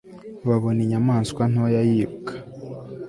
Babona inyamaswa ntoya yiruka